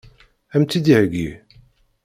Ad m-tt-id-iheggi?